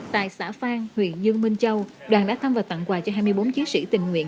tại xã phan huyện dương minh châu đoàn đã thăm và tặng quà cho hai mươi bốn chiến sĩ tình nguyện